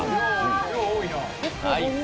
量多いな。